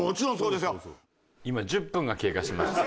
今１０分が経過しました。